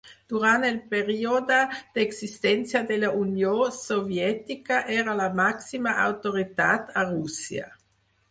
Durant el període d'existència de la Unió Soviètica era la màxima autoritat a Rússia.